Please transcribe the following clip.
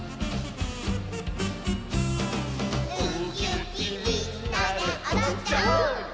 「うきうきみんなでおどっちゃお！」